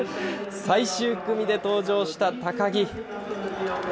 最終組で登場した高木。